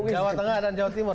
jawa tengah dan jawa timur